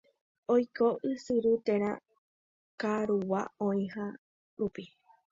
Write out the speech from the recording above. Oiko ysyry térã karugua oĩha rupi.